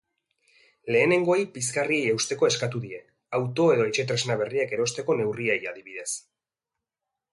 Lehenengoei pizgarriei eusteko eskatu die, auto edo etxetresna berriak erosteko neurriei adibidez.